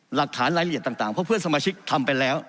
หลักฐานรายละเอียดต่างต่างเพราะเพื่อนสำหรับชิกทำไปแล้ว